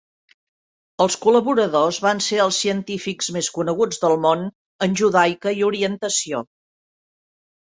Els col·laboradors van ser els científics més coneguts del món en judaica i orientació.